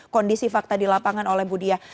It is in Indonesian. kondisi fakta di lapangan oleh budi ya